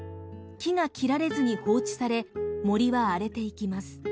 木が切られずに放置され森は荒れていきます。